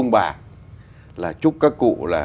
và là chúc các cụ là